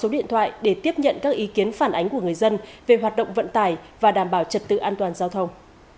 số điện thoại để tiếp nhận các ý kiến phản ánh của người dân về hoạt động vận tải và đảm bảo trật tự an toàn giao thông